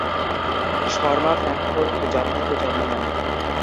Sharma Frankfurt জার্মানিতে জন্ম নেন।